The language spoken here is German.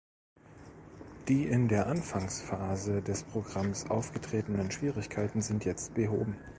Die in der Anfangsphase des Programms aufgetretenen Schwierigkeiten sind jetzt behoben.